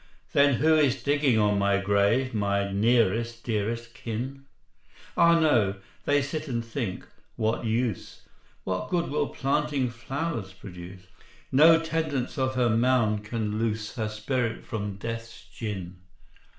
'" "Then who is digging on my grave, My nearest dearest kin?" "Ah, no: they sit and think, 'What use! What good will planting flowers produce? No tendance of her mound can loose Her spirit from Death's gin.'"